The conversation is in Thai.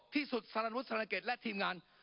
ที่สุดสารวุฒิสารเกตและทีมงาน